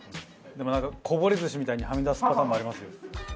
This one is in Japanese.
でもなんかこぼれ寿司みたいにはみ出すパターンもありますよ。